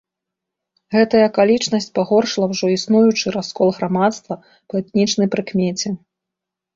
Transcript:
Гэтая акалічнасць пагоршыла ўжо існуючы раскол грамадства па этнічнай прыкмеце.